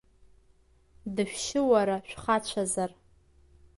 Дышәшьы уара, шәхацәазар!